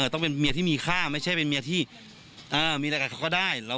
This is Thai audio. ต้องเป็นเมียที่มีค่าไม่ใช่เป็นเมียที่มีอะไรกับเขาก็ได้